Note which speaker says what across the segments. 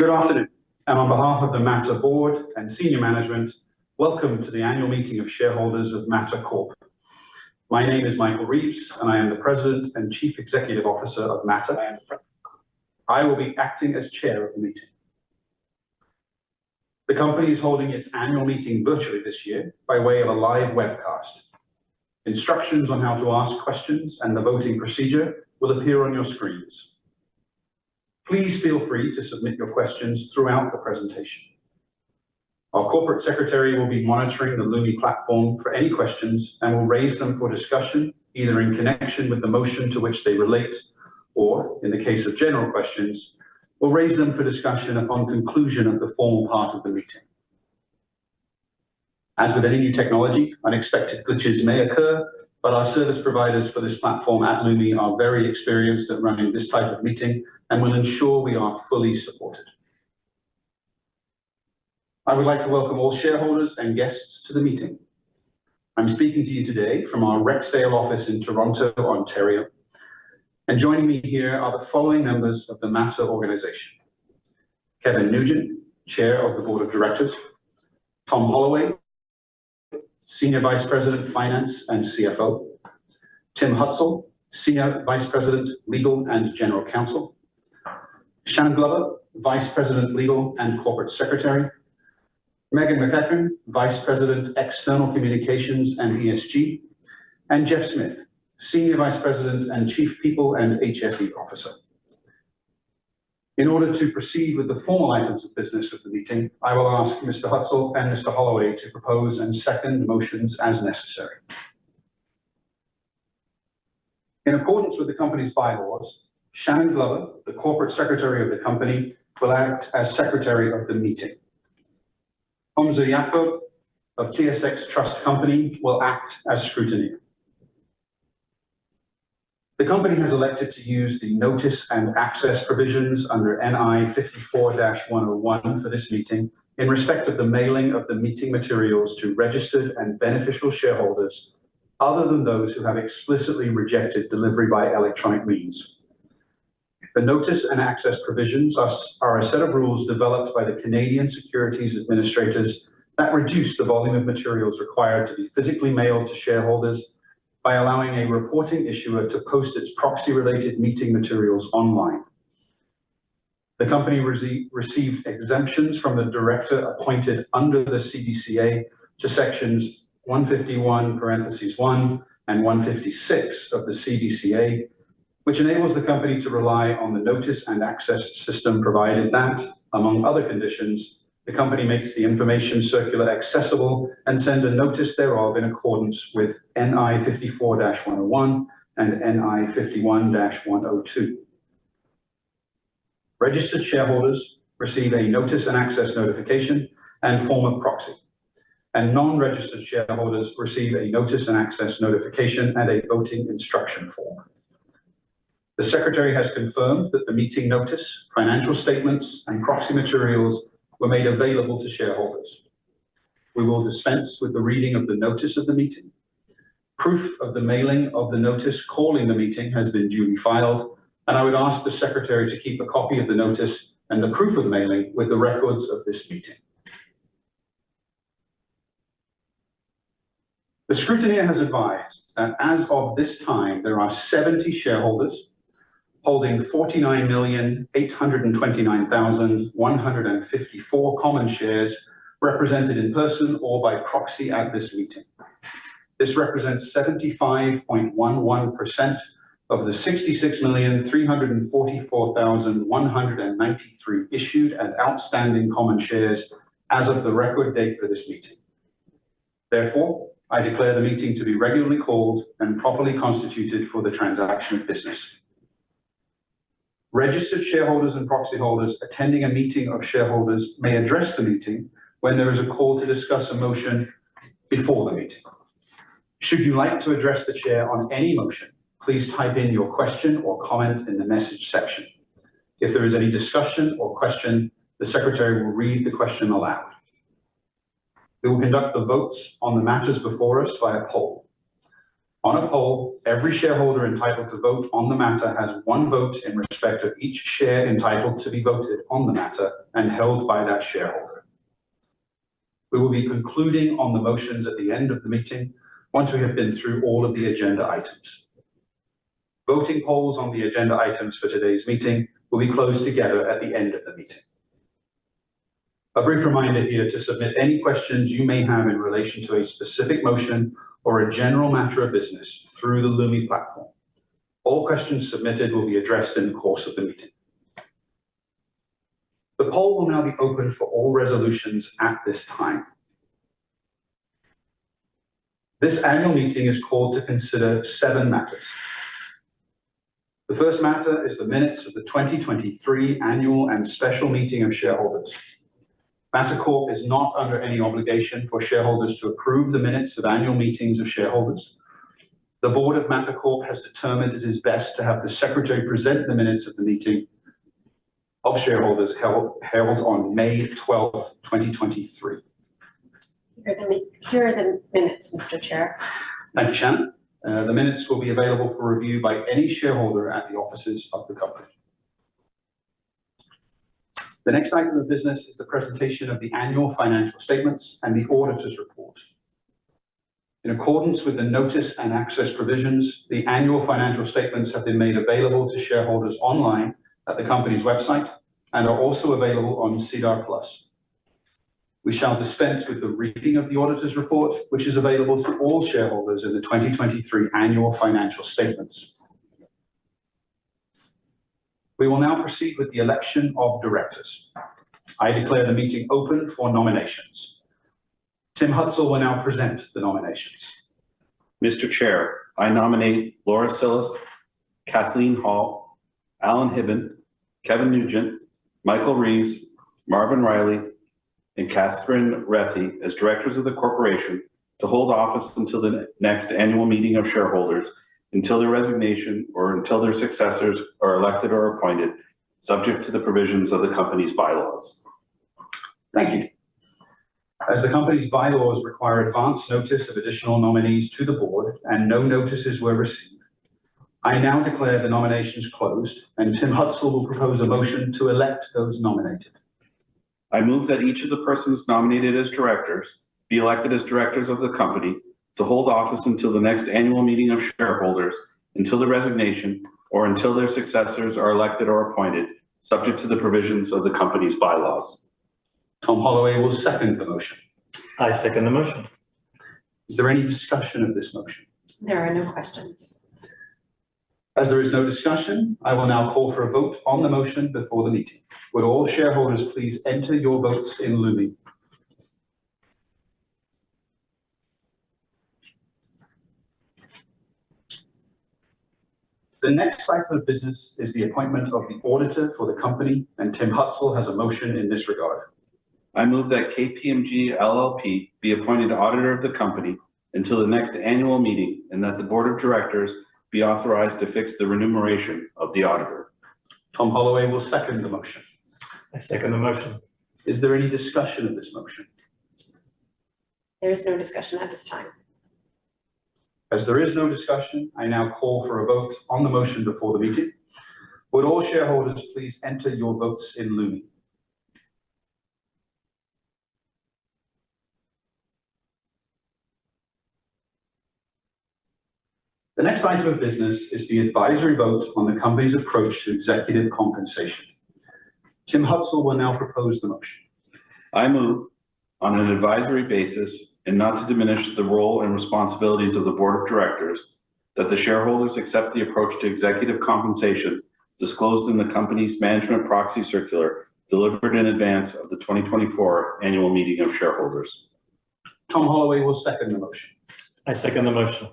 Speaker 1: Good afternoon, and on behalf of the Mattr Board and senior management, welcome to the Annual Meeting of Shareholders of Mattr Corp. My name is Michael Reeves, and I am the President and Chief Executive Officer of Mattr. I will be acting as Chair of the meeting. The company is holding its annual meeting virtually this year by way of a live webcast. Instructions on how to ask questions and the voting procedure will appear on your screens. Please feel free to submit your questions throughout the presentation. Our Corporate Secretary will be monitoring the Lumi platform for any questions and will raise them for discussion either in connection with the motion to which they relate or, in the case of general questions, will raise them for discussion upon conclusion of the formal part of the meeting. As with any new technology, unexpected glitches may occur, but our service providers for this platform at Lumi are very experienced at running this type of meeting and will ensure we are fully supported. I would like to welcome all shareholders and guests to the meeting. I'm speaking to you today from our Rexdale office in Toronto, Ontario, and joining me here are the following members of the Mattr organization: Kevin Nugent, Chair of the board of directors; Tom Holloway, Senior Vice President Finance and CFO; Tim Hutsell, Senior Vice President Legal and General Counsel; Shannon Glover, Vice President Legal and Corporate Secretary; Meghan MacEachern, Vice President External Communications and ESG; and Jeff Smith, Senior Vice President and Chief People and HSE Officer. In order to proceed with the formal items of business of the meeting, I will ask Mr. Hutsell and Mr. Holloway to propose and second motions as necessary. In accordance with the company's bylaws, Shannon Glover, the corporate secretary of the company, will act as secretary of the meeting. Humza Yacoob of TSX Trust Company will act as scrutineer. The company has elected to use the notice and access provisions under NI 54-101 for this meeting in respect of the mailing of the meeting materials to registered and beneficial shareholders other than those who have explicitly rejected delivery by electronic means. The notice and access provisions are a set of rules developed by the Canadian securities administrators that reduce the volume of materials required to be physically mailed to shareholders by allowing a reporting issuer to post its proxy-related meeting materials online. The company received exemptions from the director appointed under the CBCA to sections 151(1) and 156 of the CBCA, which enables the company to rely on the notice and access system provided that, among other conditions, the company makes the information circular accessible and sends a notice thereof in accordance with NI 54-101 and NI 51-102. Registered shareholders receive a notice and access notification and form of proxy, and non-registered shareholders receive a notice and access notification and a voting instruction form. The secretary has confirmed that the meeting notice, financial statements, and proxy materials were made available to shareholders. We will dispense with the reading of the notice of the meeting. Proof of the mailing of the notice calling the meeting has been duly filed, and I would ask the secretary to keep a copy of the notice and the proof of mailing with the records of this meeting. The scrutineer has advised that as of this time there are 70 shareholders holding 49,829,154 common shares represented in person or by proxy at this meeting. This represents 75.11% of the 66,344,193 issued and outstanding common shares as of the record date for this meeting. Therefore, I declare the meeting to be regularly called and properly constituted for the transaction of business. Registered shareholders and proxy holders attending a meeting of shareholders may address the meeting when there is a call to discuss a motion before the meeting. Should you like to address the chair on any motion, please type in your question or comment in the message section. If there is any discussion or question, the secretary will read the question aloud. We will conduct the votes on the matters before us by a poll. On a poll, every shareholder entitled to vote on the matter has one vote in respect of each share entitled to be voted on the matter and held by that shareholder. We will be concluding on the motions at the end of the meeting once we have been through all of the agenda items. Voting polls on the agenda items for today's meeting will be closed together at the end of the meeting. A brief reminder here to submit any questions you may have in relation to a specific motion or a general matter of business through the Loomi platform. All questions submitted will be addressed in the course of the meeting. The poll will now be open for all resolutions at this time. This annual meeting is called to consider seven matters. The first matter is the minutes of the 2023 annual and special meeting of shareholders. Mattr Corp is not under any obligation for shareholders to approve the minutes of annual meetings of shareholders. The board of Mattr Corp has determined it is best to have the secretary present the minutes of the meeting of shareholders held on May 12th, 2023.
Speaker 2: Here are the minutes, Mr. Chair.
Speaker 1: Thank you, Shannon. The minutes will be available for review by any shareholder at the offices of the company. The next item of business is the presentation of the annual financial statements and the auditor's report. In accordance with the Notice and Access provisions, the annual financial statements have been made available to shareholders online at the company's website and are also available on SEDAR+. We shall dispense with the reading of the auditor's report, which is available to all shareholders in the 2023 annual financial statements. We will now proceed with the election of directors. I declare the meeting open for nominations. Tim Hutsell will now present the nominations.
Speaker 3: Mr. Chair, I nominate Laura Cillis, Kathleen Hall, Alan Hibben, Kevin Nugent, Michael Reeves, Marvin Riley, and Katherine Rethy as directors of the corporation to hold office until the next annual meeting of shareholders until their resignation or until their successors are elected or appointed, subject to the provisions of the company's bylaws.
Speaker 1: Thank you. As the company's bylaws require advance notice of additional nominees to the board and no notices were received, I now declare the nominations closed, and Tim Hutsell will propose a motion to elect those nominated.
Speaker 3: I move that each of the persons nominated as directors be elected as directors of the company to hold office until the next annual meeting of shareholders until their resignation or until their successors are elected or appointed, subject to the provisions of the company's bylaws.
Speaker 1: Tom Holloway will second the motion.
Speaker 4: I second the motion.
Speaker 1: Is there any discussion of this motion?
Speaker 2: There are no questions.
Speaker 1: As there is no discussion, I will now call for a vote on the motion before the meeting. Would all shareholders please enter your votes in Loomi? The next item of business is the appointment of the auditor for the company, and Tim Hutsell has a motion in this regard.
Speaker 3: I move that KPMG LLP be appointed auditor of the company until the next annual meeting and that the board of directors be authorized to fix the remuneration of the auditor.
Speaker 1: Tom Holloway will second the motion.
Speaker 4: I second the motion.
Speaker 1: Is there any discussion of this motion?
Speaker 2: There is no discussion at this time.
Speaker 1: As there is no discussion, I now call for a vote on the motion before the meeting. Would all shareholders please enter your votes in Lumi? The next item of business is the advisory vote on the company's approach to executive compensation. Tim Hutsell will now propose the motion.
Speaker 3: I move on an advisory basis and not to diminish the role and responsibilities of the board of directors that the shareholders accept the approach to executive compensation disclosed in the company's management proxy circular delivered in advance of the 2024 annual meeting of shareholders.
Speaker 1: Tom Holloway will second the motion.
Speaker 4: I second the motion.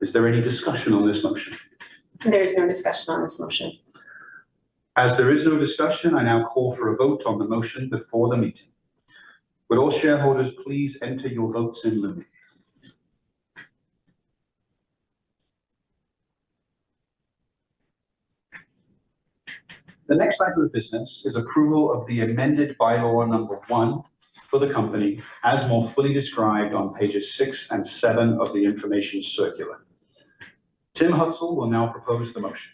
Speaker 1: Is there any discussion on this motion?
Speaker 2: There is no discussion on this motion.
Speaker 1: As there is no discussion, I now call for a vote on the motion before the meeting. Would all shareholders please enter your votes in Lumi? The next item of business is approval of the amended Bylaw Number One for the company as more fully described on Pages 6 and 7 of the information circular. Tim Hutsell will now propose the motion.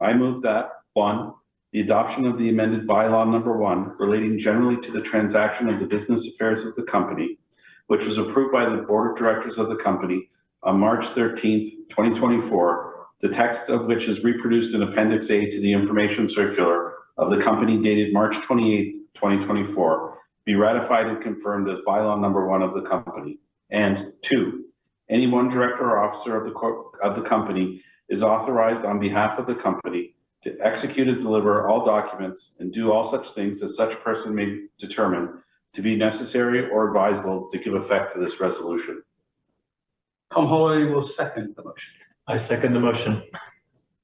Speaker 3: I move that one, the adoption of the amended Bylaw Number One relating generally to the transaction of the business affairs of the company, which was approved by the board of directors of the company on March 13th, 2024, the text of which is reproduced in Appendix A to the information circular of the company dated March 28th, 2024, be ratified and confirmed as Bylaw Number One of the company. And two, any one director or officer of the company is authorized on behalf of the company to execute and deliver all documents and do all such things as such person may determine to be necessary or advisable to give effect to this resolution.
Speaker 1: Tom Holloway will second the motion.
Speaker 4: I second the motion.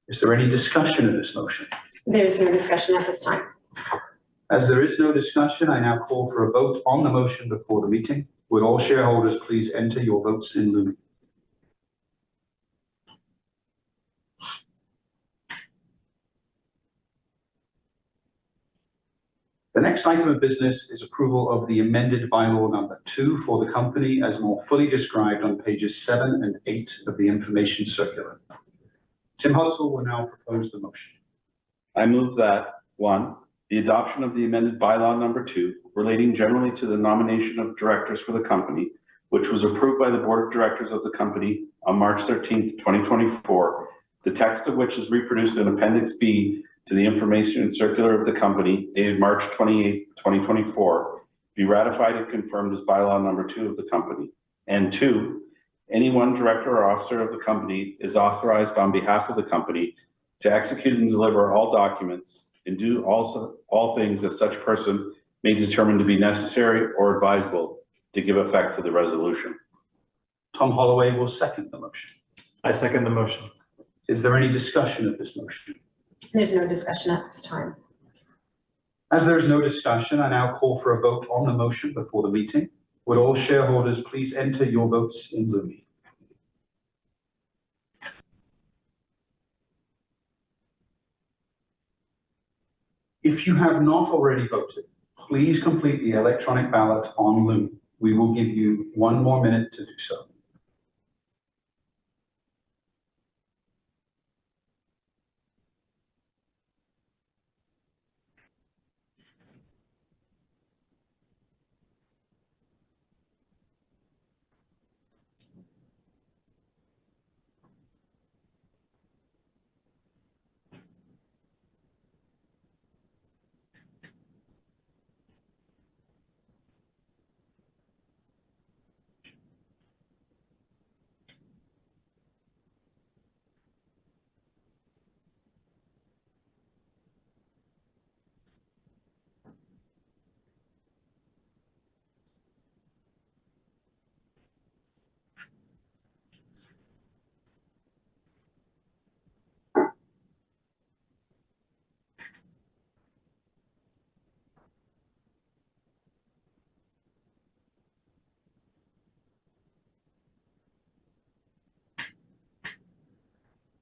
Speaker 1: Is there any discussion of this motion?
Speaker 2: There is no discussion at this time.
Speaker 1: As there is no discussion, I now call for a vote on the motion before the meeting. Would all shareholders please enter your votes in Loomi? The next item of business is approval of the amended Bylaw Number Two for the company as more fully described on Pages 7 and 8 of the information circular. Tim Hutsell will now propose the motion.
Speaker 3: I move that one, the adoption of the amended Bylaw Number Two relating generally to the nomination of directors for the company, which was approved by the board of directors of the company on March 13th, 2024, the text of which is reproduced in Appendix B to the information circular of the company dated March 28th, 2024, be ratified and confirmed as Bylaw Number Two of the company. And two, any one director or officer of the company is authorized on behalf of the company to execute and deliver all documents and do all things as such person may determine to be necessary or advisable to give effect to the resolution.
Speaker 1: Tom Holloway will second the motion.
Speaker 4: I second the motion.
Speaker 1: Is there any discussion of this motion?
Speaker 2: There's no discussion at this time.
Speaker 1: As there is no discussion, I now call for a vote on the motion before the meeting. Would all shareholders please enter your votes in Lumi? If you have not already voted, please complete the electronic ballot on Lumi. We will give you one more minute to do so.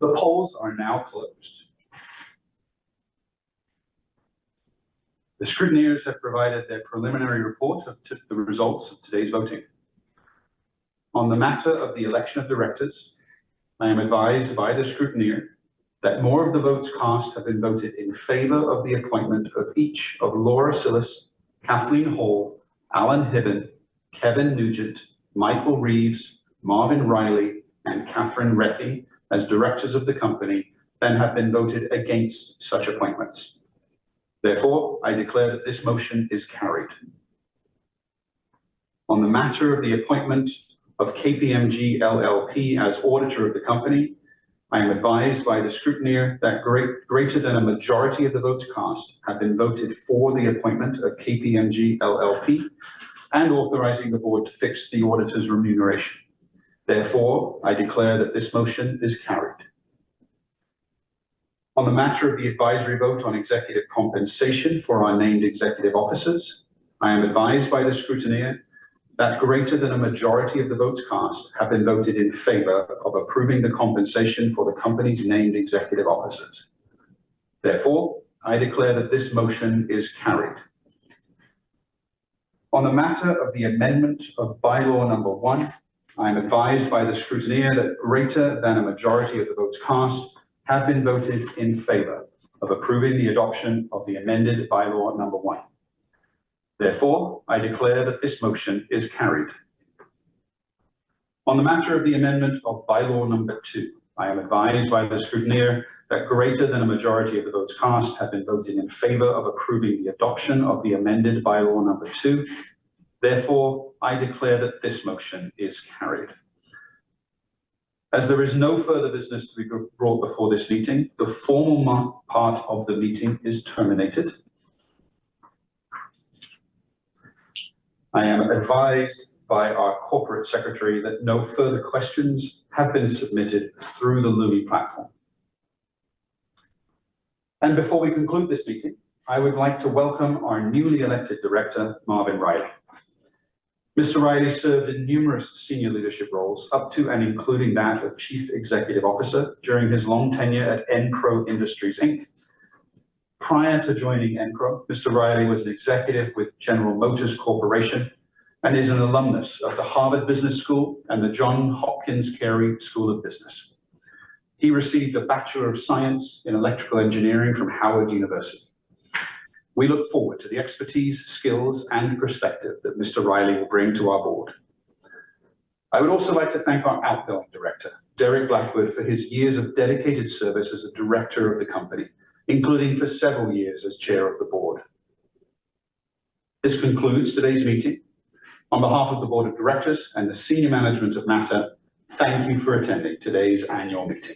Speaker 1: The polls are now closed. The scrutineers have provided their preliminary report of the results of today's voting. On the matter of the election of directors, I am advised by the scrutineer that more of the votes cast have been voted in favour of the appointment of each of Laura Cillis, Kathleen Hall, Alan Hibben, Kevin Nugent, Michael Reeves, Marvin Riley, and Katherine Rethy as directors of the company than have been voted against such appointments. Therefore, I declare that this motion is carried. On the matter of the appointment of KPMG LLP as auditor of the company, I am advised by the scrutineer that greater than a majority of the votes cast have been voted for the appointment of KPMG LLP and authorising the board to fix the auditor's remuneration. Therefore, I declare that this motion is carried. On the matter of the advisory vote on executive compensation for our named executive officers, I am advised by the scrutineer that greater than a majority of the votes cast have been voted in favour of approving the compensation for the company's named executive officers. Therefore, I declare that this motion is carried. On the matter of the amendment of Bylaw Number One, I am advised by the scrutineer that greater than a majority of the votes cast have been voted in favour of approving the adoption of the amended Bylaw Number One. Therefore, I declare that this motion is carried. On the matter of the amendment of Bylaw Number Two, I am advised by the scrutineer that greater than a majority of the votes cast have been voting in favour of approving the adoption of the amended Bylaw Number Two. Therefore, I declare that this motion is carried. As there is no further business to be brought before this meeting, the formal part of the meeting is terminated. I am advised by our corporate secretary that no further questions have been submitted through the Lumi platform. And before we conclude this meeting, I would like to welcome our newly elected director, Marvin Riley. Mr. Riley served in numerous senior leadership roles up to and including that of chief executive officer during his long tenure at EnPro Industries, Inc. Prior to joining EnPro, Mr. Riley was an executive with General Motors Corporation and is an alumnus of the Harvard Business School and the Johns Hopkins Carey School of Business. He received a Bachelor of Science in Electrical Engineering from Howard University. We look forward to the expertise, skills, and perspective that Mr. Riley will bring to our board. I would also like to thank our outgoing director, Derek Blackwood, for his years of dedicated service as a director of the company, including for several years as chair of the board. This concludes today's meeting. On behalf of the board of directors and the senior management of Mattr, thank you for attending today's annual meeting.